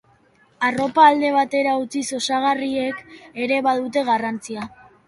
Arropak alde batera utziz, osagarriek ere badute garrantzia.